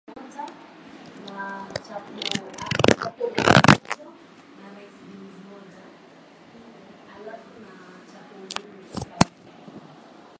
vilichanganyikana wanasiasa wengi walitumia hoja hizo ili kufikia